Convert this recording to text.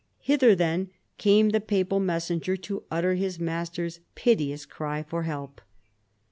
Hither, then, came the papal messenger to utter his master's piteous cry for help.